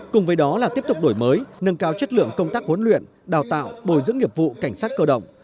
cùng với đó là tiếp tục đổi mới nâng cao chất lượng công tác huấn luyện đào tạo bồi dưỡng nghiệp vụ cảnh sát cơ động